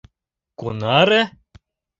Кунаре?